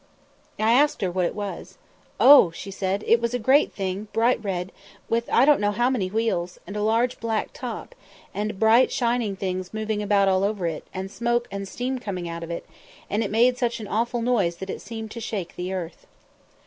I asked her what it was. "Oh," she said, "it was a great thing, bright red, with I don't know how many wheels, and a large black top, and bright shining things moving about all over it, and smoke and steam coming out of it, and it made such an awful noise it seemed to shake the earth."